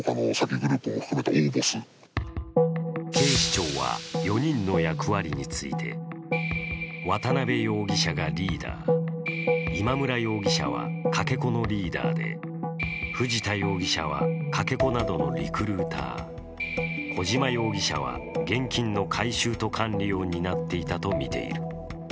警視庁は４人の役割について、渡辺容疑者がリーダー、今村容疑者はかけ子のリーダーで藤田容疑者は、かけ子などのリクルーター、小島容疑者は、現金の回収と管理を担っていたとみている。